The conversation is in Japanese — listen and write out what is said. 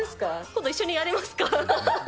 今度、一緒にやりますか？